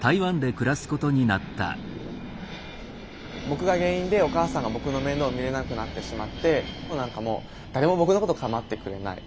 僕が原因でお母さんが僕の面倒を見れなくなってしまって何かもう誰も僕のことかまってくれない。